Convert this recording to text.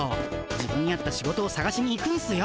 自分に合った仕事をさがしに行くんすよ。